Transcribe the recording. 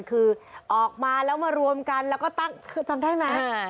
คือออกมาแล้วมารวมกันแล้วก็ตั้งคือจำได้ไหม